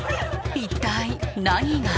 一体何が？